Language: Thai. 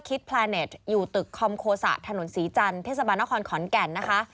คิดแพลเนตอยู่ตึกคอมโคสะถนนศรีจันทร์เทศบาลนครขอนแก่น